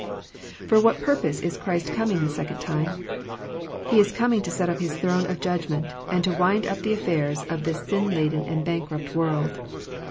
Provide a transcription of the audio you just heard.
For what purpose is Christ coming the second time 1 He is coming to set up His throne of judgment, and to wind up the affairs of this sin laden and bankrupt world.